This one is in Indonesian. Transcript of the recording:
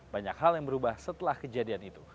banyak hal yang berubah setelah kejadian itu